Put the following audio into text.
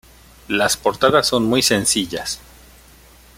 Las portadas son muy sencillas.